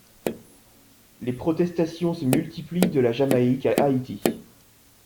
Les protestations se multiplient de la Jamaïque à Haïti.